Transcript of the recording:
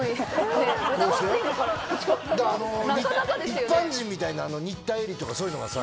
一般人みたいな新田恵利とかそういうのがさ